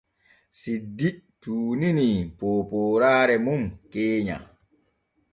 Siddi tuuninii poopooraare mum keenya.